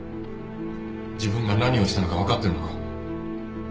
自分が何をしたのか分かってるのか？